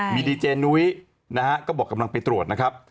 มีดีเจนุ้ยนะฮะก็บอกกำลังไปตรวจนะครับ